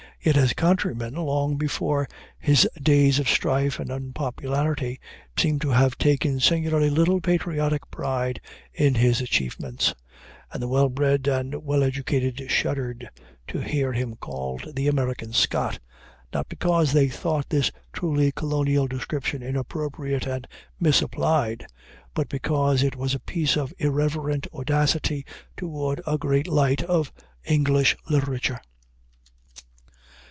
Yet his countrymen, long before his days of strife and unpopularity, seem to have taken singularly little patriotic pride in his achievements, and the well bred and well educated shuddered to hear him called the "American Scott"; not because they thought this truly colonial description inappropriate and misapplied, but because it was a piece of irreverent audacity toward a great light of English literature.